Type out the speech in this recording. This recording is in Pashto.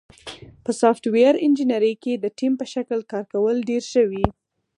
په سافټویر انجینری کې د ټیم په شکل کار کول ډېر ښه وي.